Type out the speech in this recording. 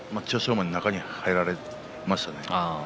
馬に中に入られましたね。